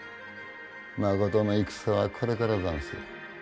まことの戦はこれからざんすよ。